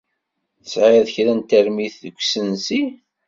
Tesɛid kra n termit deg ussenzi?